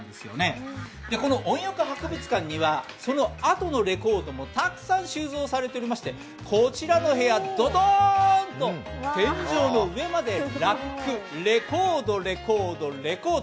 この音浴博物館には、そのあとのレコードもたくさん収蔵されていましてこちらの部屋、どどーんと天井の上までラック、レコード、レコード、レコード。